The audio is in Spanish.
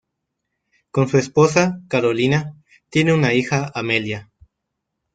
Con su esposa, Karolina, tiene una hija, Amelia.